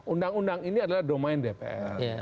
undang undang ini adalah domain dpr